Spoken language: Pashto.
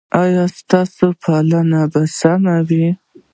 ایا ستاسو پالنه به سمه وي؟